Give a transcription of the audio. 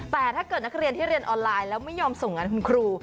แต่ถ้าเกิดนักเรียนที่เรียนออนไลน์แล้วไม่ยอมส่งงานคุณครู